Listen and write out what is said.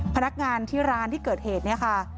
พนักงานที่ร้านที่เกิดเหตุเนี่ยค่ะ